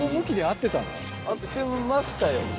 合ってましたよ。